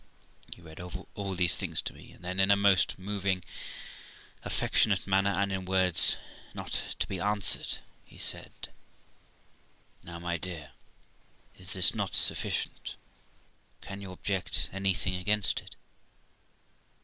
He read over all these things to me, and then, in a most moving, affectionate manner, and in words not to be answered, he said, 'Now, my dear, is this not sufficient? Can you object anything against it?